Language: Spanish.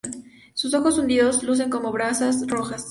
Sus ojos hundidos, lucen como brasas rojas.